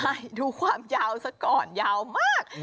ใช่ดูความยาวสักก่อนยาวมาก